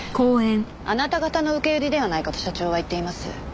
あなた方の受け売りではないかと社長は言っています。